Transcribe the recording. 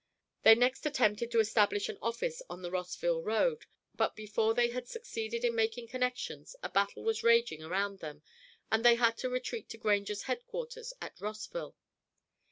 They next attempted to establish an office on the Rossville road, but before they had succeeded in making connections a battle was raging around them, and they had to retreat to Granger's headquarters at Rossville.